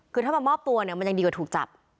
คือถ้ามอบตัวมันยังดีกว่าถูกจับ